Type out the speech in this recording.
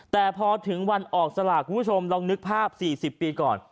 แต่พอถึงวันออกสลากคุณผู้ชมลองนึกภาพ๔๐ปีก่อน